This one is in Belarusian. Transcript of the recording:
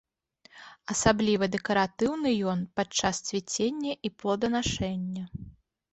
Асабліва дэкаратыўны ён падчас цвіцення і плоданашэння.